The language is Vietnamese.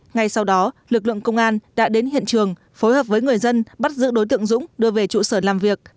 ngay sau đó lực lượng công an đã đến hiện trường phối hợp với người dân bắt giữ đối tượng dũng đưa về trụ sở làm việc